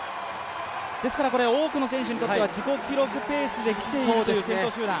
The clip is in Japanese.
多くの選手にとっては自己記録ペースで来ているという先頭集団。